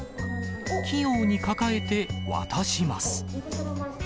器用に抱えて渡します。